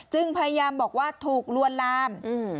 พยายามบอกว่าถูกลวนลาม